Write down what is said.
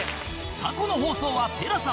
過去の放送は ＴＥＬＡＳＡ